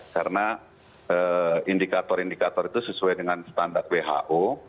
karena indikator indikator itu sesuai dengan standar who